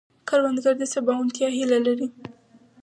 کروندګر د سباوونتیا هیله لري